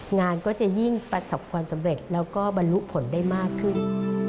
งานก็จะยิ่งประสบความสำเร็จแล้วก็บรรลุผลได้มากขึ้น